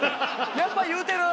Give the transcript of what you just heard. やっぱ言うてる！